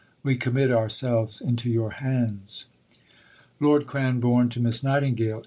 We commit ourselves into your hands. (_Lord Cranborne to Miss Nightingale.